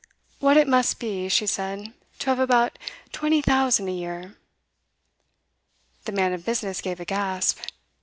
'What it must be,' she said, 'to have about twenty thousand a year!' The man of business gave a gasp.